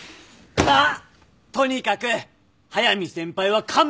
まあとにかく速見先輩は完璧なの！